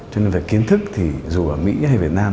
cho nên về kiến thức thì dù ở mỹ hay việt nam